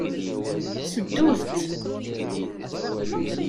Seddut-tt.